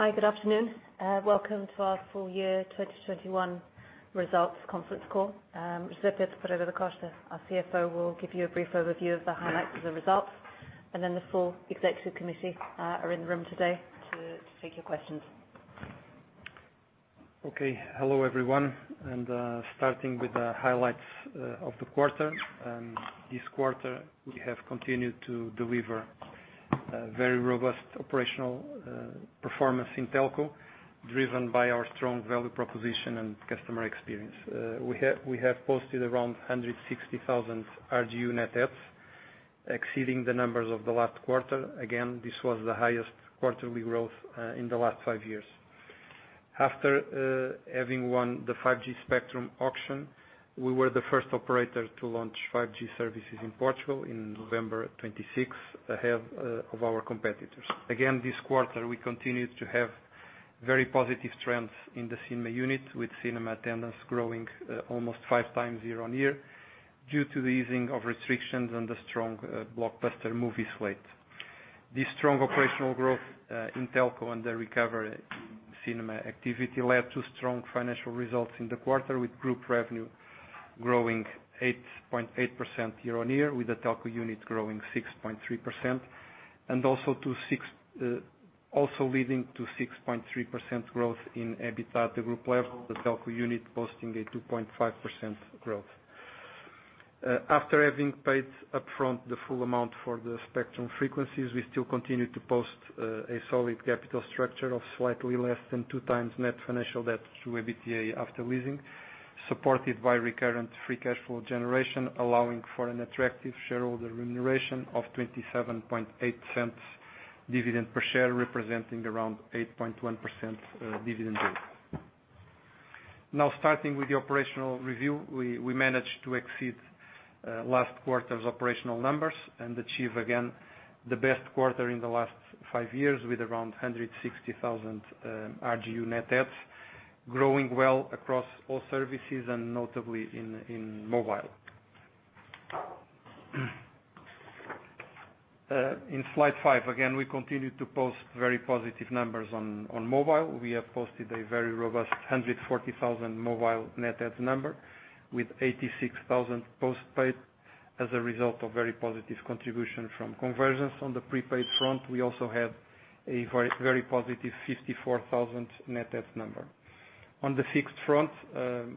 Hi, good afternoon. Welcome to our full year 2021 results conference call. José Pedro Pereira da Costa, our CFO, will give you a brief overview of the highlights of the results, and then the full Executive Committee are in the room today to take your questions. Okay. Hello, everyone, and starting with the highlights of the quarter. This quarter, we have continued to deliver a very robust operational performance in telco, driven by our strong value proposition and customer experience. We have posted around 160,000 RGU net adds, exceeding the numbers of the last quarter. Again, this was the highest quarterly growth in the last five years. After having won the 5G spectrum auction, we were the first operator to launch 5G services in Portugal in November 2026, ahead of our competitors. Again, this quarter, we continued to have very positive trends in the cinema unit, with cinema attendance growing almost five times year-on-year due to the easing of restrictions and the strong blockbuster movie slate. This strong operational growth in telco and the recovery cinema activity led to strong financial results in the quarter, with group revenue growing 8.8% year-over-year, with the telco unit growing 6.3%, also leading to 6.3% growth in EBITDA at the group level, the telco unit posting a 2.5% growth. After having paid upfront the full amount for the spectrum frequencies, we still continued to post a solid capital structure of slightly less than 2x net financial debt to EBITDA after leasing, supported by recurrent free cash flow generation, allowing for an attractive shareholder remuneration of 27.8 dividend per share, representing around 8.1% dividend yield. Now, starting with the operational review, we managed to exceed last quarter's operational numbers and achieve again the best quarter in the last five years with around 160,000 RGU net adds, growing well across all services and notably in mobile. In Slide 5, again, we continued to post very positive numbers on mobile. We have posted a very robust 140,000 mobile net adds number, with 86,000 postpaid as a result of very positive contribution from convergence. On the prepaid front, we also had a very positive 54,000 net adds number. On the fixed front,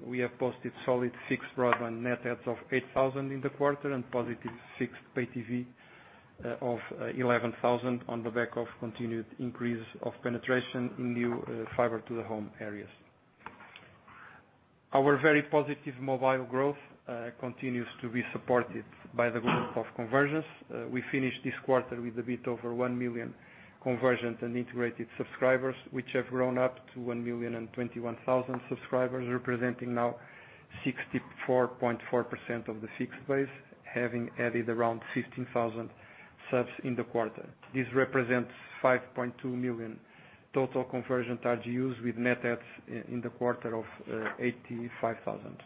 we have posted solid fixed broadband net adds of 8,000 in the quarter and positive fixed Pay TV of 11,000 on the back of continued increase of penetration in new fiber to the home areas. Our very positive mobile growth continues to be supported by the growth of convergence. We finished this quarter with a bit over 1 million convergent and integrated subscribers, which have grown up to 1,021,000 subscribers, representing now 64.4% of the fixed base, having added around 15,000 subs in the quarter. This represents 5.2 million total convergent RGUs, with net adds in the quarter of 85,000.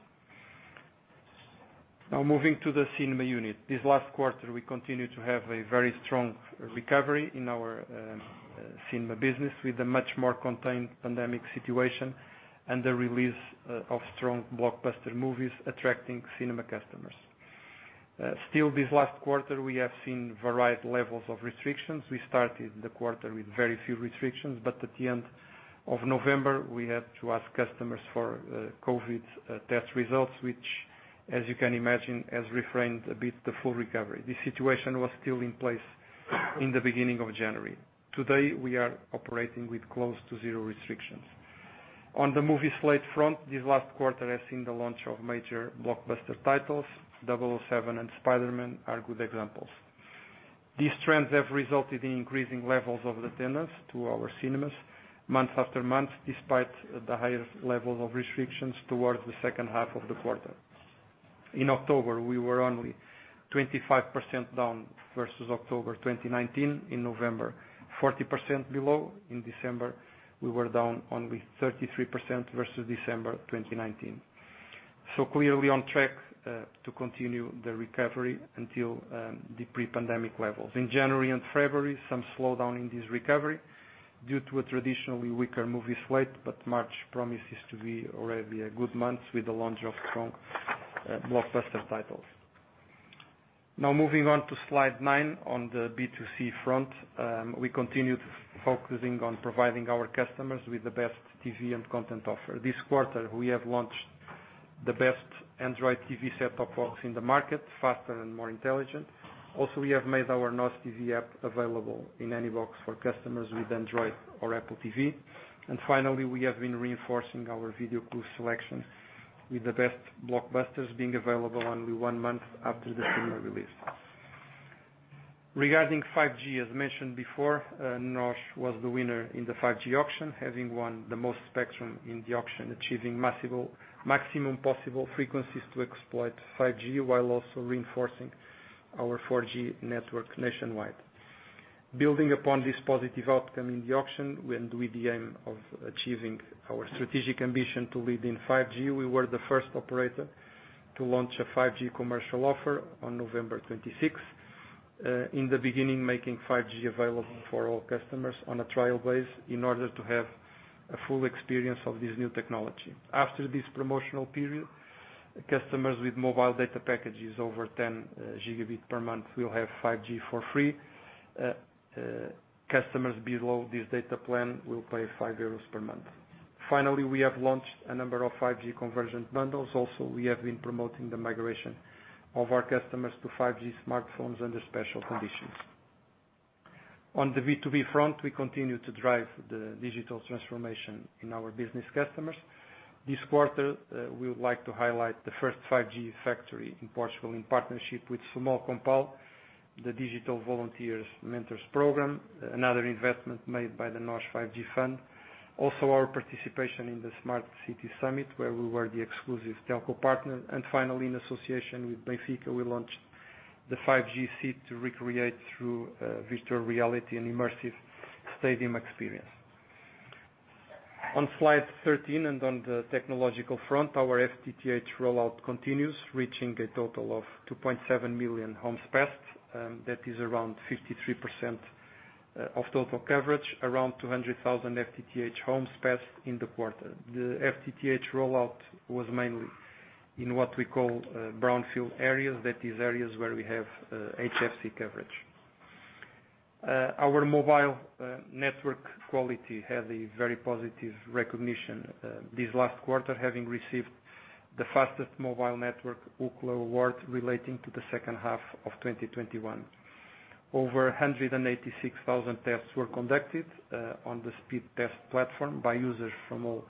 Now moving to the cinema unit. This last quarter, we continued to have a very strong recovery in our cinema business with a much more contained pandemic situation and the release of strong blockbuster movies attracting cinema customers. Still this last quarter, we have seen varied levels of restrictions. We started the quarter with very few restrictions, but at the end of November, we had to ask customers for COVID test results, which as you can imagine, has restrained a bit the full recovery. This situation was still in place in the beginning of January. Today, we are operating with close to zero restrictions. On the movie slate front, this last quarter has seen the launch of major blockbuster titles. 007 and Spider-Man are good examples. These trends have resulted in increasing levels of attendance to our cinemas month after month, despite the higher levels of restrictions towards the second half of the quarter. In October, we were only 25% down versus October 2019. In November, 40% below. In December, we were down only 33% versus December 2019. Clearly on track to continue the recovery until the pre-pandemic levels. In January and February, some slowdown in this recovery due to a traditionally weaker movie slate, but March promises to be already a good month with the launch of strong blockbuster titles. Now moving on to Slide 9 on the B2C front. We continued focusing on providing our customers with the best TV and content offer. This quarter, we have launched the best Android TV set-top box in the market, faster and more intelligent. Also, we have made our NOS TV app available in any box for customers with Android or Apple TV. Finally, we have been reinforcing our video pool selection with the best blockbusters being available only one month after the cinema release. Regarding 5G, as mentioned before, NOS was the winner in the 5G auction, having won the most spectrum in the auction, achieving maximum possible frequencies to exploit 5G while also reinforcing our 4G network nationwide. Building upon this positive outcome in the auction and with the aim of achieving our strategic ambition to lead in 5G, we were the first operator to launch a 5G commercial offer on November 26th. In the beginning, making 5G available for all customers on a trial base in order to have a full experience of this new technology. After this promotional period, customers with mobile data packages over 10 GB per month will have 5G for free. Customers below this data plan will pay 5 euros per month. Finally, we have launched a number of 5G convergent bundles. We have been promoting the migration of our customers to 5G smartphones under special conditions. On the B2B front, we continue to drive the digital transformation in our business customers. This quarter, we would like to highlight the first 5G factory in Portugal in partnership with Sumol+Compal, the Digital Volunteers Mentors program, another investment made by the NOS 5G Fund. Our participation in the Smart City Summit, where we were the exclusive telco partner. Finally, in association with Benfica, we launched the 5G Seat to recreate through virtual reality an immersive stadium experience. On Slide 13, on the technological front, our FTTH rollout continues, reaching a total of 2.7 million homes passed, that is around 53% of total coverage. Around 200,000 FTTH homes passed in the quarter. The FTTH rollout was mainly in what we call brownfield areas. That is areas where we have HFC coverage. Our mobile network quality had a very positive recognition this last quarter, having received the Fastest Mobile Network Ookla Award relating to the second half of 2021. Over 186,000 tests were conducted on the Speedtest platform by users from all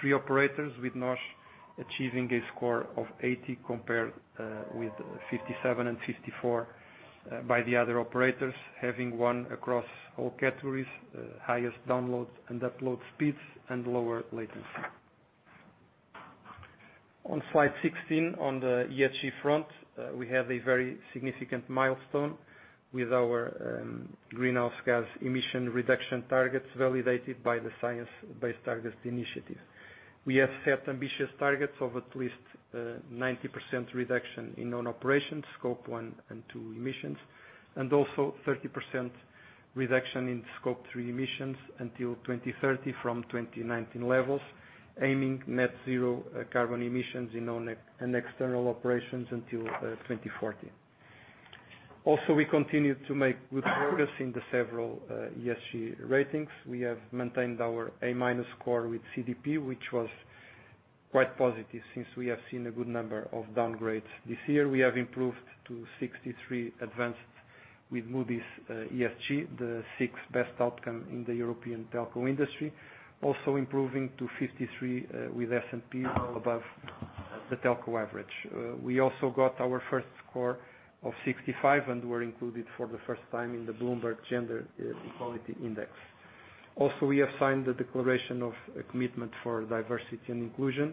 three operators, with NOS achieving a score of 80 compared with 57 and 54 by the other operators. Having won across all categories, highest download and upload speeds and lower latency. On Slide 16, on the ESG front, we have a very significant milestone with our greenhouse gas emission reduction targets validated by the Science-Based Targets initiative. We have set ambitious targets of at least 90% reduction in own operations, Scope 1 and 2 emissions, and also 30% reduction in Scope 3 emissions until 2030 from 2019 levels, aiming net zero carbon emissions in own and external operations until 2040. We continue to make good progress in the several ESG ratings. We have maintained our A- score with CDP, which was quite positive since we have seen a good number of downgrades this year. We have improved to 63 advanced with Moody's ESG, the sixth-best outcome in the European telco industry. Improving to 53 with S&P, well above the telco average. We also got our first score of 65 and were included for the first time in the Bloomberg Gender-Equality Index. Also, we have signed the Declaration of a Commitment for Diversity and Inclusion,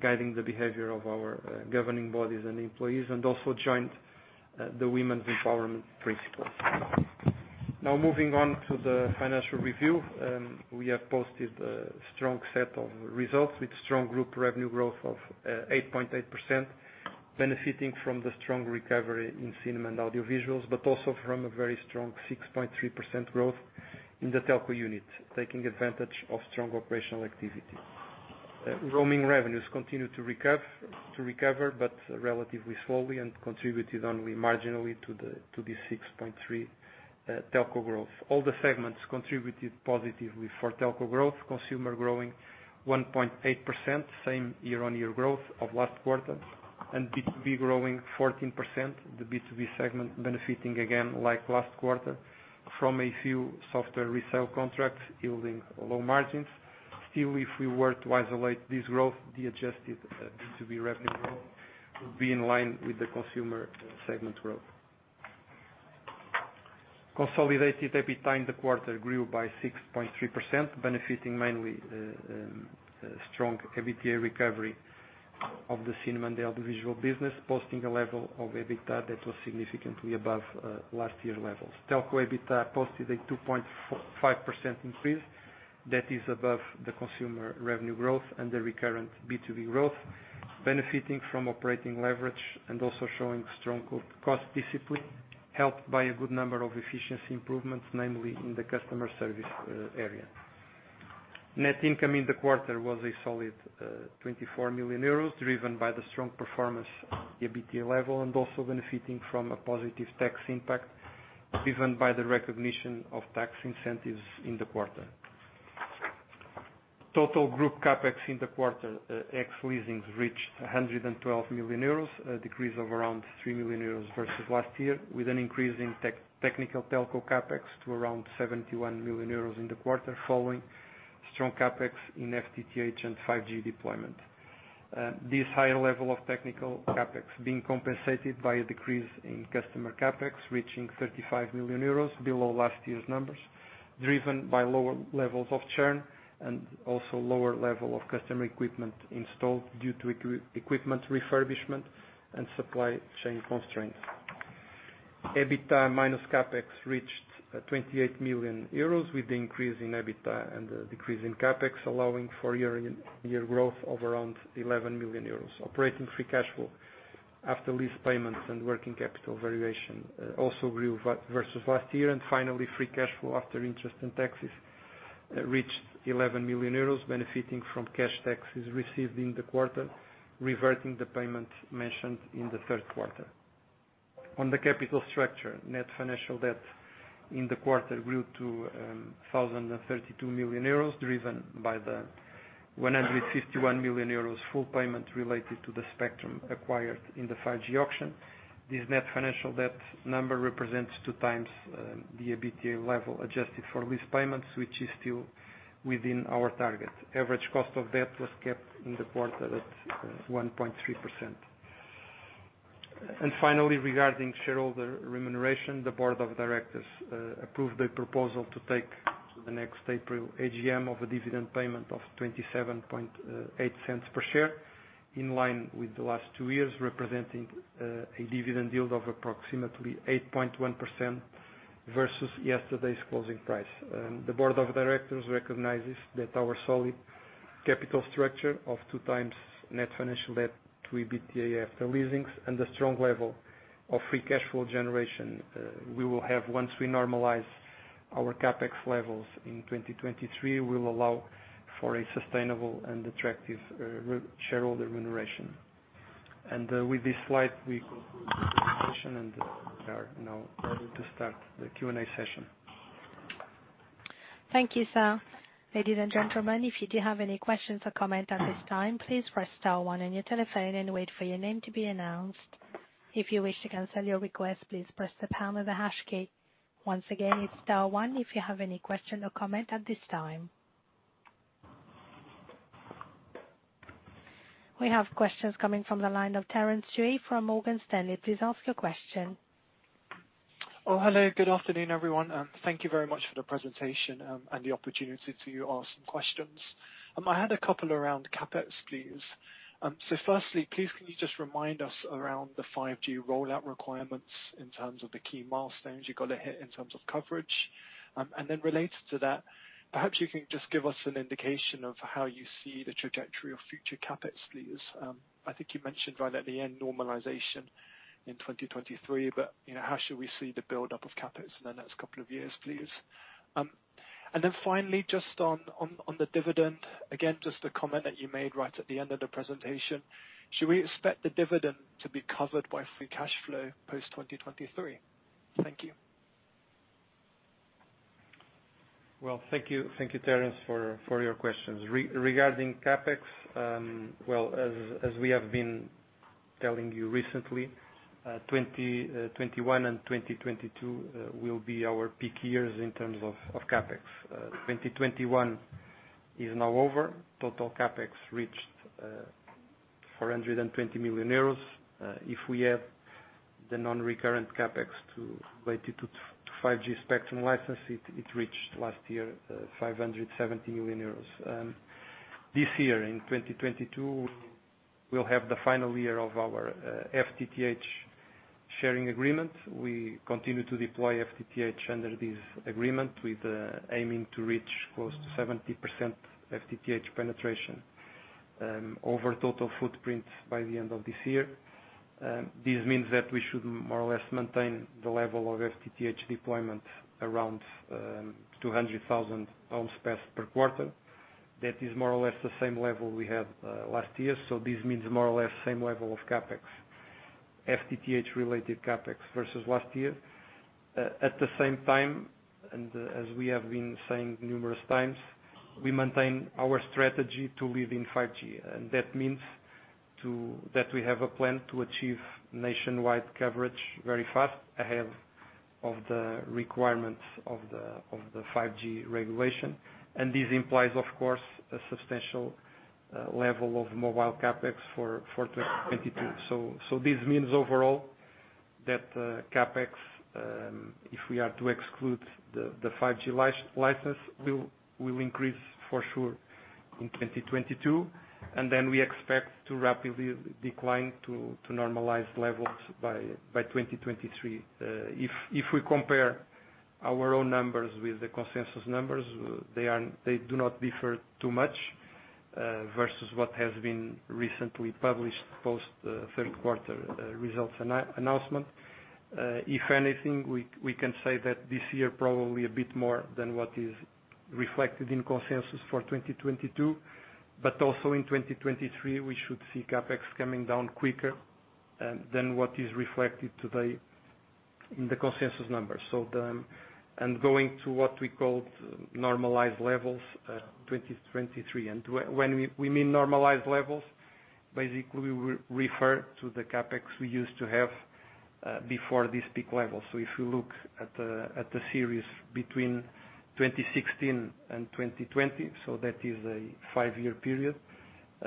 guiding the behavior of our governing bodies and employees, and also joined the Women's Empowerment Principles. Now moving on to the financial review. We have posted a strong set of results with strong group revenue growth of 8.8%, benefiting from the strong recovery in cinema and audiovisuals, but also from a very strong 6.3% growth in the telco unit, taking advantage of strong operational activity. Roaming revenues continued to recover, but relatively slowly and contributed only marginally to the 6.3 telco growth. All the segments contributed positively for telco growth. Consumer growing 1.8%, same year-on-year growth of last quarter. B2B growing 14%. The B2B segment benefiting again, like last quarter, from a few software resale contracts yielding low margins. Still, if we were to isolate this growth, the adjusted B2B revenue growth would be in line with the consumer segment growth. Consolidated EBITDA in the quarter grew by 6.3%, benefiting mainly from strong EBITDA recovery of the cinema and the audiovisual business, posting a level of EBITDA that was significantly above last year's levels. Telco EBITDA posted a 2.5% increase. That is above the consumer revenue growth and the recurrent B2B growth, benefiting from operating leverage and also showing strong cost discipline, helped by a good number of efficiency improvements, namely in the customer service area. Net income in the quarter was a solid 24 million euros, driven by the strong performance of the EBITDA level and also benefiting from a positive tax impact driven by the recognition of tax incentives in the quarter. Total group CapEx in the quarter, ex-leasings, reached 112 million euros. A decrease of around 3 million euros versus last year, with an increase in technical telco CapEx to around 71 million euros in the quarter following strong CapEx in FTTH and 5G deployment. This higher level of technical CapEx being compensated by a decrease in customer CapEx, reaching 35 million euros, below last year's numbers, driven by lower levels of churn and also lower level of customer equipment installed due to equipment refurbishment and supply chain constraints. EBITDA minus CapEx reached 28 million euros, with the increase in EBITDA and the decrease in CapEx allowing for year-on-year growth of around 11 million euros. Operating free cash flow after lease payments and working capital variation also grew versus last year. Free cash flow after interest and taxes reached 11 million euros benefiting from cash taxes received in the quarter, reverting the payment mentioned in the third quarter. On the capital structure, net financial debt in the quarter grew to 1,032 million euros, driven by the 151 million euros full payment related to the spectrum acquired in the 5G auction. This net financial debt number represents 2x the EBITDA level adjusted for lease payments, which is still within our target. Average cost of debt was kept in the quarter at 1.3%. Finally, regarding shareholder remuneration, the board of directors approved a proposal to take to the next April AGM of a dividend payment of 0.278 per share, in line with the last two years, representing a dividend yield of approximately 8.1% versus yesterday's closing price. The board of directors recognizes that our solid capital structure of 2x net financial debt to EBITDA after leases and the strong level of free cash flow generation we will have once we normalize our CapEx levels in 2023 will allow for a sustainable and attractive shareholder remuneration. With this slide, we conclude the presentation and we are now ready to start the Q&A session. Thank you, sir. Ladies and gentlemen, if you do have any questions or comments at this time, please press star one on your telephone and wait for your name to be announced. If you wish to cancel your request, please press the pound or the hash key. Once again, it's star one if you have any question or comment at this time. We have questions coming from the line of Terence Yu from Morgan Stanley. Please ask your question. Oh, hello. Good afternoon, everyone, and thank you very much for the presentation and the opportunity to ask some questions. I had a couple around CapEx, please. Firstly, please can you just remind us around the 5G rollout requirements in terms of the key milestones you gotta hit in terms of coverage? Then related to that, perhaps you can just give us an indication of how you see the trajectory of future CapEx, please. I think you mentioned right at the end normalization in 2023, but you know, how should we see the buildup of CapEx in the next couple of years, please? Then finally, just on the dividend, again, just a comment that you made right at the end of the presentation. Should we expect the dividend to be covered by free cash flow post 2023? Thank you. Well, thank you. Thank you, Terence, for your questions. Regarding CapEx, as we have been telling you recently, 2021 and 2022 will be our peak years in terms of CapEx. 2021 is now over. Total CapEx reached 420 million euros. If we add the non-recurrent CapEx related to 5G spectrum license, it reached last year 570 million euros. This year, in 2022, we'll have the final year of our FTTH sharing agreement. We continue to deploy FTTH under this agreement, aiming to reach close to 70% FTTH penetration over total footprint by the end of this year. This means that we should more or less maintain the level of FTTH deployment around 200,000 homes passed per quarter. That is more or less the same level we had last year. This means more or less same level of CapEx, FTTH-related CapEx versus last year. At the same time, and as we have been saying numerous times, we maintain our strategy to lead in 5G. That means that we have a plan to achieve nationwide coverage very fast ahead of the requirements of the 5G regulation. This implies, of course, a substantial level of mobile CapEx for 2022. This means overall that CapEx, if we are to exclude the 5G license, will increase for sure in 2022. Then we expect to rapidly decline to normalized levels by 2023. If we compare our own numbers with the consensus numbers, they do not differ too much versus what has been recently published post third quarter results announcement. If anything, we can say that this year probably a bit more than what is reflected in consensus for 2022, but also in 2023, we should see CapEx coming down quicker than what is reflected today in the consensus numbers, going to what we call normalized levels in 2023. When we mean normalized levels, basically we refer to the CapEx we used to have before this peak level. If you look at the series between 2016 and 2020, that is a five-year period,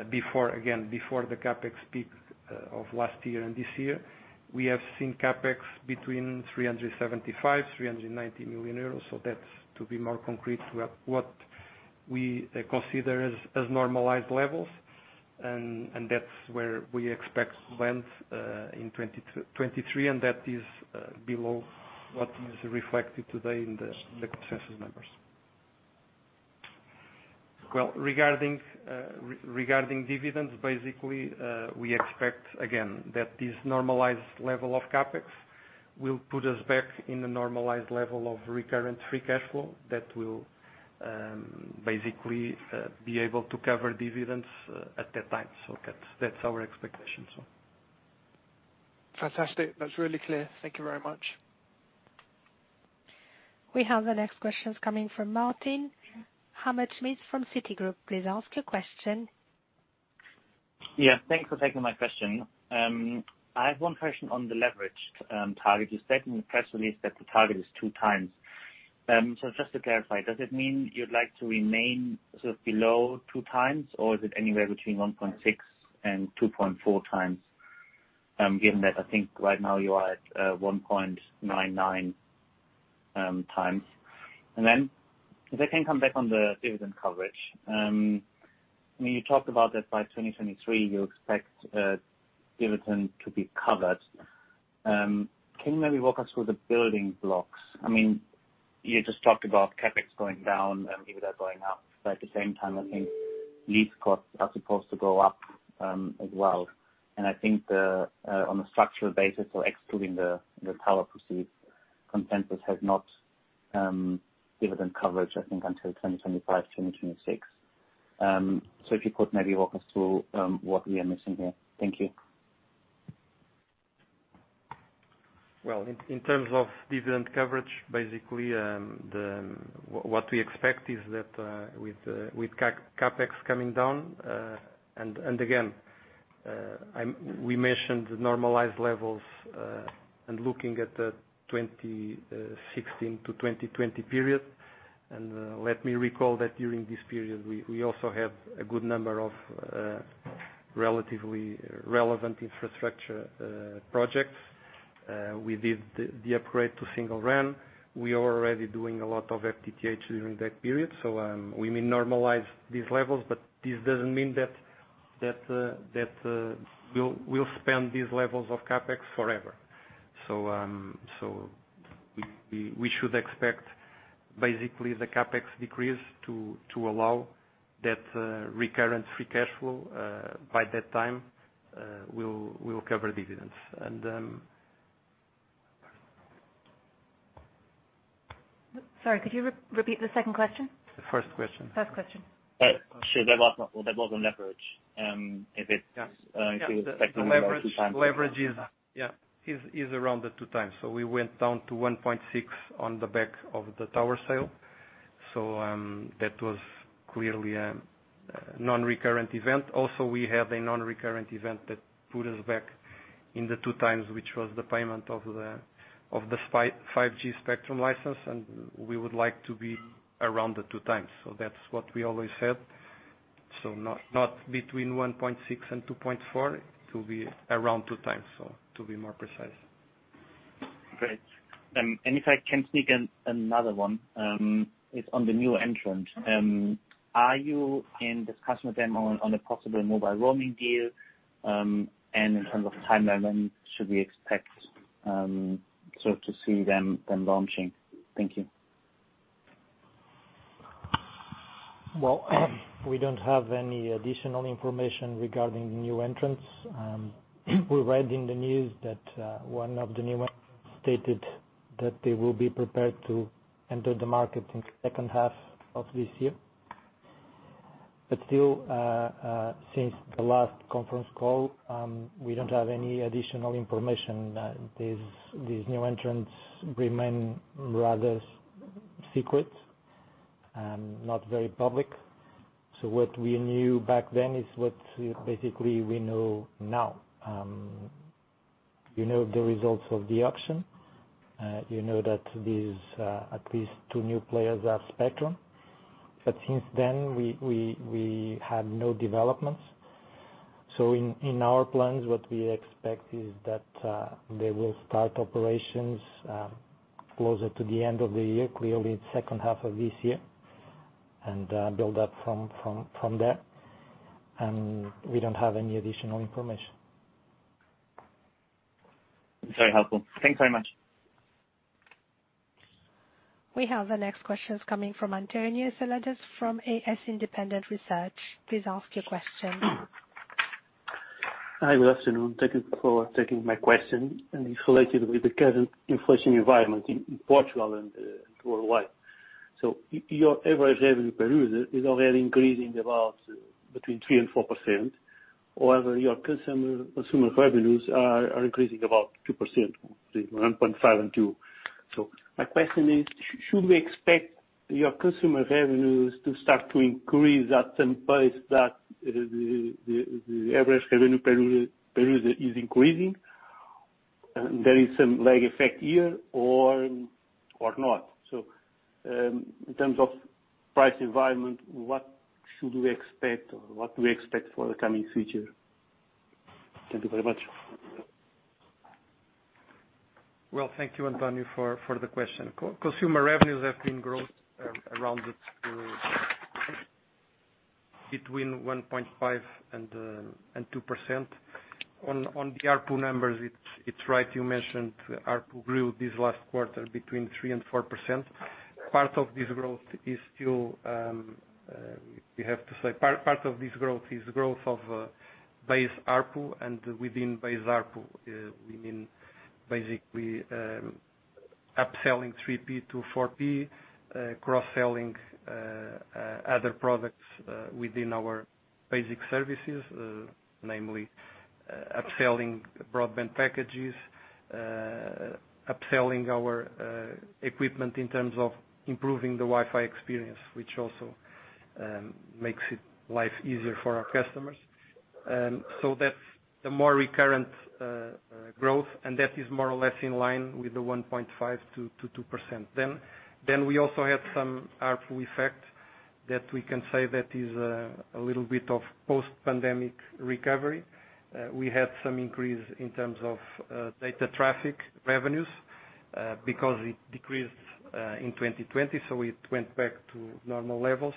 before, again, before the CapEx peak of last year and this year. We have seen CapEx between 375 million euros and 390 million euros. That's to be more concrete, we have what we consider as normalized levels. And that's where we expect to land in 2023, and that is below what is reflected today in the consensus numbers. Well, regarding dividends, basically, we expect again that this normalized level of CapEx will put us back in a normalized level of recurrent free cash flow that will basically be able to cover dividends at that time. That's our expectation. Fantastic. That's really clear. Thank you very much. We have the next questions coming from Martin Hammerschmidt from Citigroup. Please ask your question. Yeah, thanks for taking my question. I have one question on the leverage target. You said in the press release that the target is 2x. So just to clarify, does it mean you'd like to remain sort of below 2x, or is it anywhere between 1.6x and 2.4x, given that I think right now you are at 1.99x? If I can come back on the dividend coverage. I mean, you talked about that by 2023 you expect dividend to be covered. Can you maybe walk us through the building blocks? I mean, you just talked about CapEx going down and EBITDA going up. At the same time, I think lease costs are supposed to go up as well. I think on a structural basis or excluding the tower proceeds consensus has not dividend coverage, I think, until 2025, 2026. If you could maybe walk us through what we are missing here. Thank you. Well, in terms of dividend coverage, basically, what we expect is that with CapEx coming down, and again, we mentioned the normalized levels, and looking at the 2016 to 2020 period. Let me recall that during this period we also have a good number of relatively relevant infrastructure projects. We did the upgrade to Single RAN. We are already doing a lot of FTTH during that period. We should expect basically the CapEx decrease to allow that recurrent free cash flow by that time will cover dividends. Sorry, could you re-repeat the second question? The first question. First question. Sure. That was on leverage. If you expect to leverage 2x. Yeah. The leverage is around 2x. We went down to 1.6x on the back of the tower sale. That was clearly a non-recurring event. We also have a non-recurring event that put us back in the 2x, which was the payment of the 5G spectrum license, and we would like to be around 2x. That's what we always said. Not between 1.6x and 2.4x. To be around 2x, to be more precise. Great. If I can sneak in another one, it's on the new entrant. Are you in discussion with them on a possible mobile roaming deal? In terms of timeline, when should we expect to see them launching? Thank you. Well, we don't have any additional information regarding the new entrants. We're reading the news that one of the new entrants stated that they will be prepared to enter the market in second half of this year. Still, since the last conference call, we don't have any additional information. These new entrants remain rather secret, not very public. What we knew back then is what basically we know now. You know the results of the auction. You know that these at least two new players have spectrum. Since then we had no developments. In our plans, what we expect is that they will start operations closer to the end of the year, clearly in second half of this year, and build up from there. We don't have any additional information. Very helpful. Thanks very much. We have the next questions coming from António Seladas from AS Independent Research. Please ask your question. Hi. Good afternoon. Thank you for taking my question and it is related with the current inflation environment in Portugal and worldwide. Your average revenue per user is already increasing about between 3%-4%. However, your consumer revenues are increasing about 2%, between 1.5%-2%. My question is should we expect your consumer revenues to start to increase at the same pace that the average revenue per user is increasing? There is some lag effect here or not. In terms of price environment, what should we expect or what do we expect for the coming future? Thank you very much. Well, thank you, Antonio, for the question. Consumer revenues have been growing around between 1.5% and 2%. On the ARPU numbers, it's right, you mentioned ARPU grew this last quarter between 3% and 4%. Part of this growth is still we have to say part of this growth is growth of base ARPU and within base ARPU, we mean basically upselling 3P to 4P, cross-selling other products within our basic services, namely upselling broadband packages, upselling our equipment in terms of improving the Wi-Fi experience, which also makes life easier for our customers. So that's the more recurrent growth, and that is more or less in line with the 1.5%-2%. We also have some ARPU effect that we can say that is a little bit of post-pandemic recovery. We had some increase in terms of data traffic revenues because it decreased in 2020, so it went back to normal levels.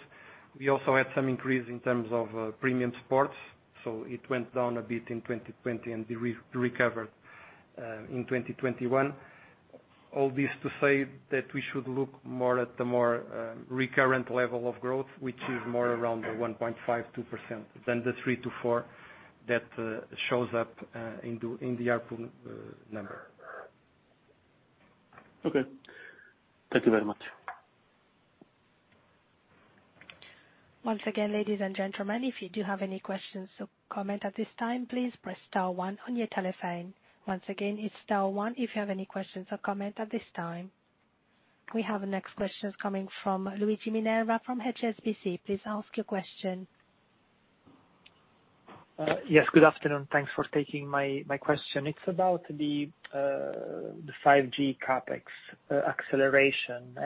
We also had some increase in terms of premium sports, so it went down a bit in 2020 and recovered in 2021. All this to say that we should look more at the more recurrent level of growth, which is more around the 1.5%-2% than the 3%-4% that shows up in the ARPU number. Okay. Thank you very much. Once again, ladies and gentlemen, if you do have any questions or comments at this time, please press star one on your telephone. Once again, it's star one if you have any questions or comments at this time. We have the next questions coming from Luigi Minerva from HSBC. Please ask your question. Yes. Good afternoon. Thanks for taking my question. It's about the 5G CapEx acceleration.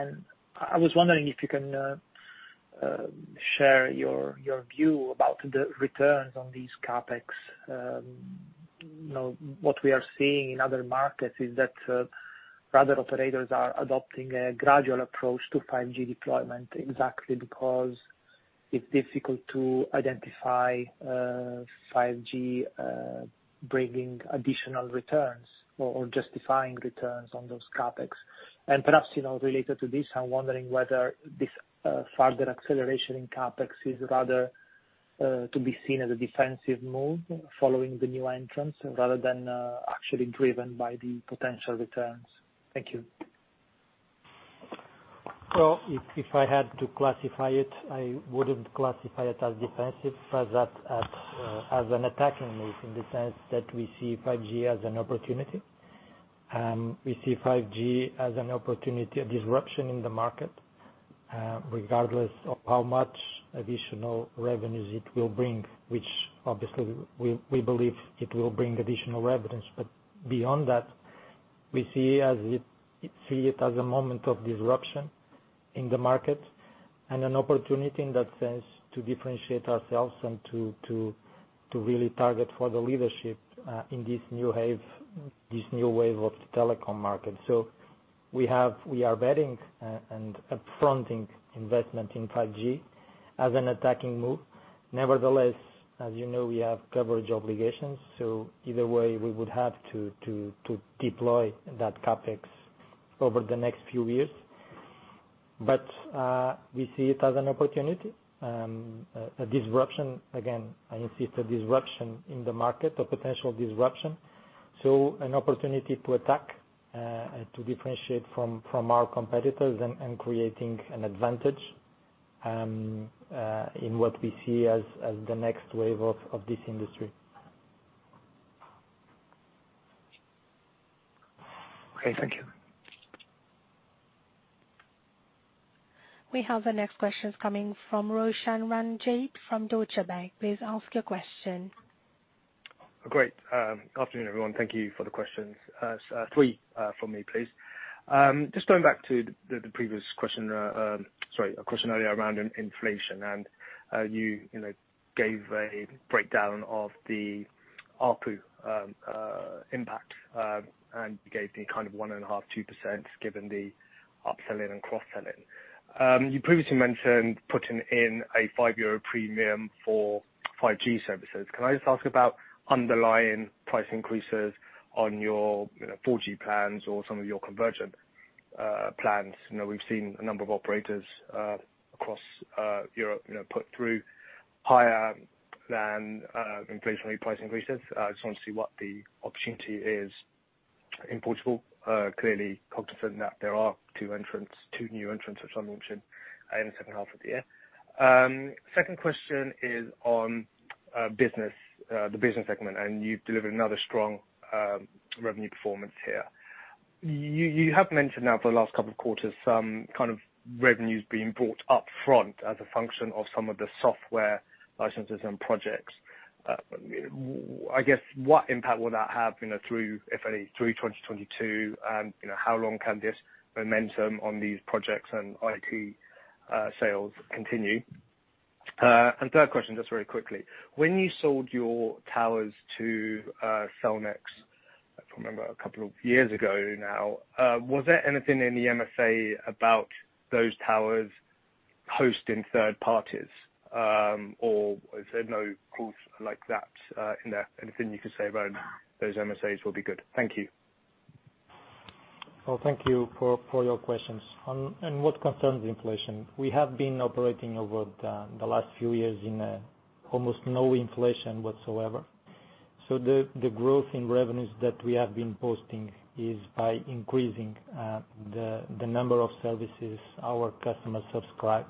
I was wondering if you can share your view about the returns on these CapEx. You know, what we are seeing in other markets is that operators are adopting a gradual approach to 5G deployment exactly because it's difficult to identify 5G bringing additional returns or justifying returns on those CapEx. Perhaps, you know, related to this, I'm wondering whether this further acceleration in CapEx is rather to be seen as a defensive move following the new entrants rather than actually driven by the potential returns. Thank you. If I had to classify it, I wouldn't classify it as defensive as that, as an attacking move in the sense that we see 5G as an opportunity. We see 5G as an opportunity, a disruption in the market, regardless of how much additional revenues it will bring, which obviously we believe it will bring additional revenues. Beyond that, we see it as a moment of disruption in the market and an opportunity in that sense to differentiate ourselves and to really target for the leadership in this new wave of the telecom market. We are betting and up-fronting investment in 5G as an attacking move. Nevertheless, as you know, we have coverage obligations, so either way, we would have to to deploy that CapEx over the next few years. We see it as an opportunity, a disruption. Again, I see it as a disruption in the market, a potential disruption, so an opportunity to attack, to differentiate from our competitors and creating an advantage, in what we see as the next wave of this industry. Okay, thank you. We have the next questions coming from Roshan Ranjit from Deutsche Bank. Please ask your question. Great. Afternoon, everyone. Thank you for the questions. Three from me, please. Just going back to the previous question, sorry, a question earlier around inflation and you know, gave a breakdown of the ARPU impact and gave the kind of 1.5%-2% given the upselling and cross-selling. You previously mentioned putting in a 5 euro premium for 5G services. Can I just ask about underlying price increases on your, you know, 4G plans or some of your conversion plans? You know, we've seen a number of operators across Europe, you know, put through higher than inflationary price increases. I just want to see what the opportunity is in Portugal. Clearly cognizant that there are two new entrants, as I mentioned, in the second half of the year. Second question is on the business segment, and you've delivered another strong revenue performance here. You have mentioned now for the last couple of quarters, some kind of revenues being brought up front as a function of some of the software licenses and projects. I guess, what impact will that have, you know, through, if any, through 2022? You know, how long can this momentum on these projects and IT sales continue? Third question, just very quickly. When you sold your towers to Cellnex, if I remember a couple of years ago now, was there anything in the MSA about those towers hosting third parties, or is there no clause like that in there? Anything you can say about those MSAs will be good. Thank you. Well, thank you for your questions. What concerns inflation, we have been operating over the last few years in almost no inflation whatsoever. The growth in revenues that we have been posting is by increasing the number of services our customers subscribe.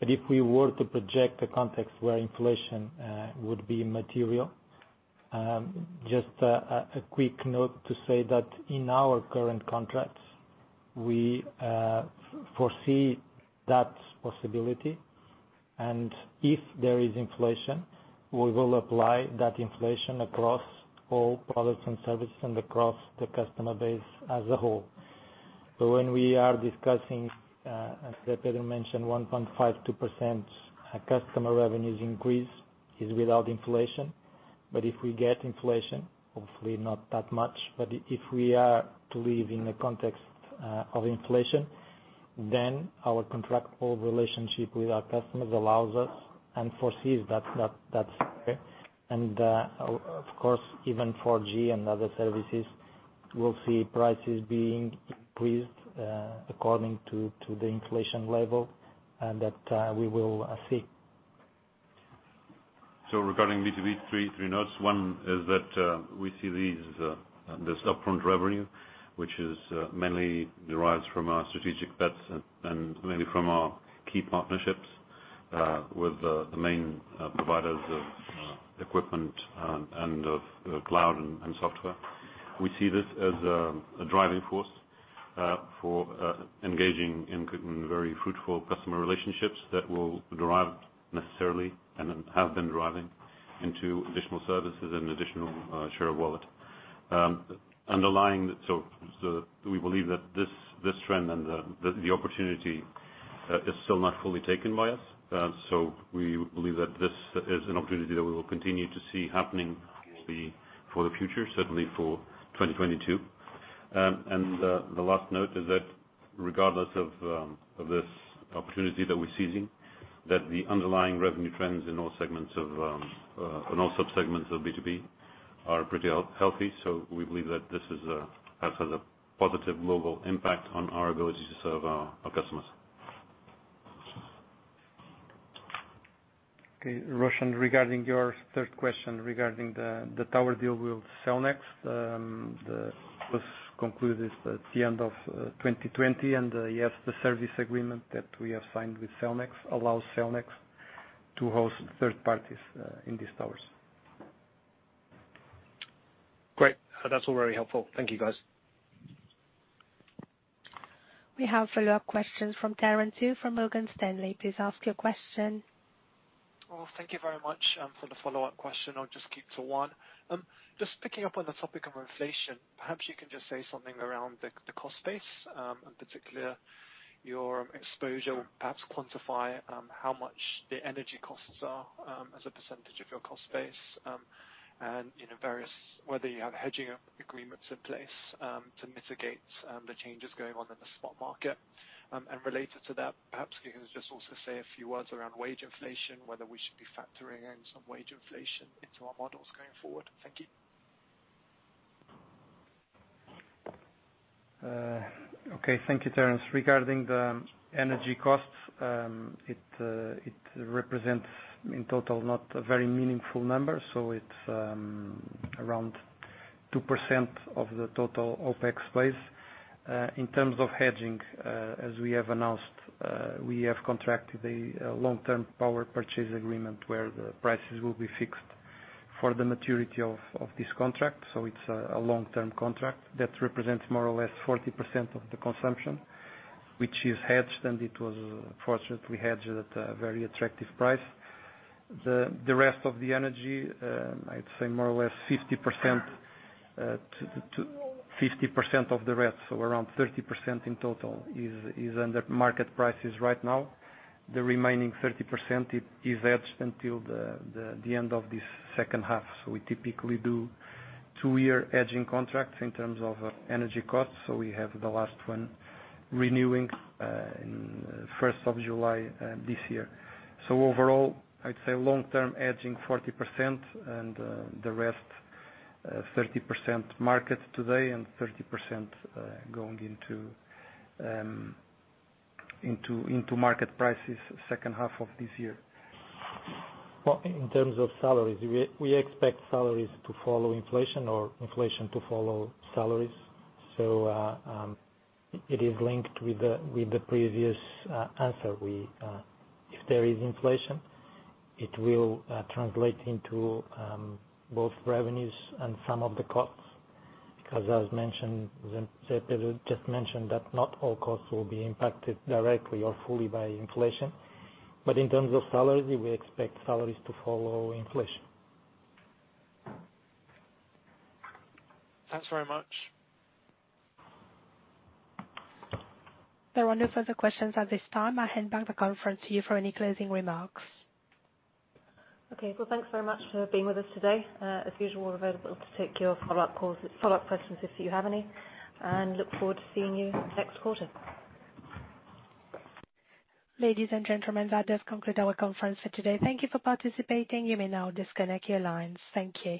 If we were to project a context where inflation would be material, just a quick note to say that in our current contracts, we foresee that possibility. If there is inflation, we will apply that inflation across all products and services and across the customer base as a whole. When we are discussing, as Pedro mentioned, 1.52% customer revenues increase is without inflation. If we get inflation, hopefully not that much, but if we are to live in the context of inflation, then our contractual relationship with our customers allows us and foresees that that's fair. Of course, even 4G and other services will see prices being increased according to the inflation level, and that we will see. Regarding B2B, three notes. One is that we see this upfront revenue, which is mainly derives from our strategic bets and mainly from our key partnerships with the main providers of equipment and of cloud and software. We see this as a driving force for engaging in very fruitful customer relationships that will derive necessarily and have been deriving into additional services and additional share of wallet. Underlying so we believe that this trend and the opportunity is still not fully taken by us. We believe that this is an opportunity that we will continue to see happening probably for the future, certainly for 2022. The last note is that regardless of this opportunity that we're seizing, the underlying revenue trends in all sub-segments of B2B are pretty healthy. We believe that this has a positive global impact on our ability to serve our customers. Okay. Roshan, regarding your third question regarding the tower deal with Cellnex, it was concluded at the end of 2020. Yes, the service agreement that we have signed with Cellnex allows Cellnex to host third parties in these towers. Great. That's all very helpful. Thank you, guys. We have follow-up questions from Terence Yu from Morgan Stanley. Please ask your question. Well, thank you very much for the follow-up question. I'll just keep to one. Just picking up on the topic of inflation, perhaps you can just say something around the cost base and in particular your exposure. Perhaps quantify how much the energy costs are as a percentage of your cost base, and you know, or whether you have hedging agreements in place to mitigate the changes going on in the spot market. Related to that, perhaps you can just also say a few words around wage inflation, whether we should be factoring in some wage inflation into our models going forward. Thank you. Okay. Thank you, Terence. Regarding the energy costs, it represents, in total, not a very meaningful number, so it's around 2% of the total OpEx space. In terms of hedging, as we have announced, we have contracted a long-term power purchase agreement where the prices will be fixed for the maturity of this contract. It's a long-term contract that represents more or less 40% of the consumption, which is hedged, and it was fortunately hedged at a very attractive price. The rest of the energy, I'd say more or less 50% to 50% of the rest, so around 30% in total is under market prices right now. The remaining 30% is hedged until the end of this second half. We typically do two-year hedging contracts in terms of energy costs, so we have the last one renewing in 1st of July this year. Overall, I'd say long-term hedging 40% and the rest 30% market today and 30% going into market prices second half of this year. Well, in terms of salaries, we expect salaries to follow inflation or inflation to follow salaries. It is linked with the previous answer. If there is inflation, it will translate into both revenues and some of the costs, because as mentioned, as Pedro just mentioned that not all costs will be impacted directly or fully by inflation. In terms of salaries, we expect salaries to follow inflation. Thanks very much. There are no further questions at this time. I hand back the conference to you for any closing remarks. Okay. Well, thanks very much for being with us today. As usual, we're available to take your follow-up calls, follow-up questions if you have any, and look forward to seeing you next quarter. Ladies and gentlemen, that does conclude our conference for today. Thank you for participating. You may now disconnect your lines. Thank you.